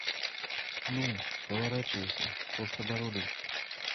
Ну, поворачивайся, толстобородый!